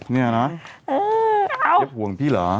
เจ๊บห่วงพี่เหรอ